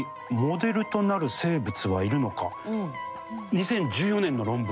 ２０１４年の論文。